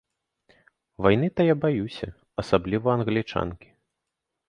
Вайны то я баюся, асабліва англічанкі.